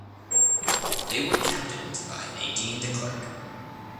They were captained by Nadine de Klerk.